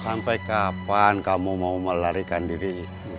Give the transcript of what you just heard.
sampai kapan kamu mau melarikan diri